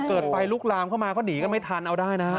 เกิดไฟลุกลามเข้ามาเขาหนีกันไม่ทันเอาได้นะฮะ